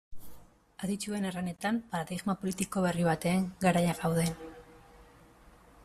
Adituen erranetan, paradigma politiko berri baten garaian gaude.